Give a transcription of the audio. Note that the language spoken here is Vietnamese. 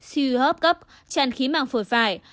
suy hứa hấp cấp tràn khí màng phổi phải